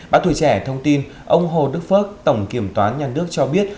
bác thủy trẻ thông tin ông hồ đức phước tổng kiểm toán nhân nước cho biết